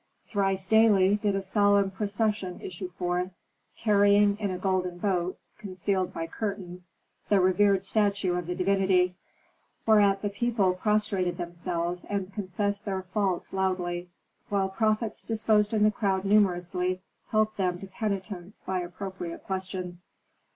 Thrice daily did a solemn procession issue forth, carrying in a golden boat, concealed by curtains, the revered statue of the divinity; whereat the people prostrated themselves and confessed their faults loudly, while prophets disposed in the crowd numerously helped them to penitence by appropriate questions.